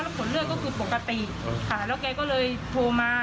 ผลเลือดก็คือปกติค่ะแล้วแกก็เลยโทรมา